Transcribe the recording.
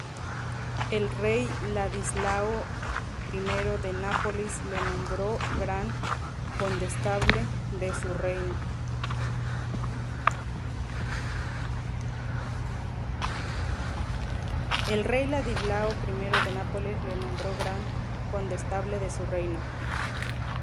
El rey Ladislao I de Nápoles le nombró Gran Condestable de su reino.